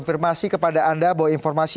selamat malam semoga berhasil